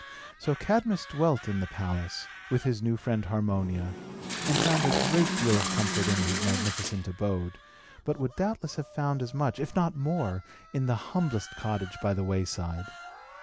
So King Cadmus dwelt in the palace, with his new friend Harmonia, and found a great deal of comfort in his magnificent abode, but would doubtless have found as much, if not more, in the humblest cottage by the wayside.